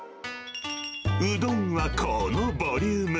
うどんはこのボリューム。